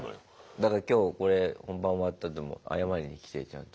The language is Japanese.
だから今日これ本番終わったあとも謝りに来てちゃんと。